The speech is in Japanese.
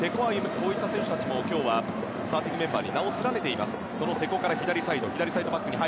こういった選手たちもスターティングメンバーに名を連ねています。